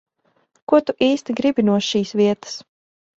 Ko tu īsti gribi no šīs vietas?